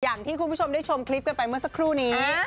อย่างที่คุณผู้ชมได้ชมคลิปกันไปเมื่อสักครู่นี้